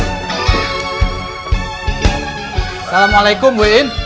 assalamualaikum bu in